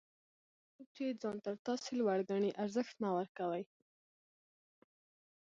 هغه څوک چي ځان تر تاسي لوړ ګڼي؛ ارزښت مه ورکوئ!